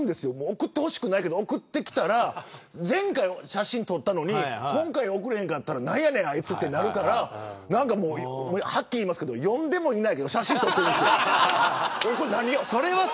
送ってほしくないけど送ってきたら前回、写真撮ったのに今回載せなかったら何やねんあいつとなるからはっきり言いますけど読んでもいないけど写真撮ってるんですよ。